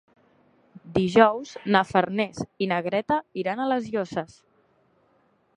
Dijous na Farners i na Greta iran a les Llosses.